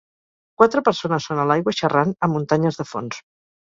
Quatre persones són a l'aigua xerrant amb muntanyes de fons.